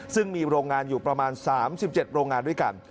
ซึ่งมีโรงงานอยู่ประมาณ๓๗โรงงานด้วยกัน